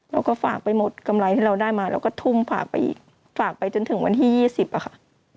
เราก็ฝากไปหมดกำไรที่เราได้มาเราก็ทุ่มฝากไปอีกฝากไปจนถึงวันที่๒๐อะค่ะ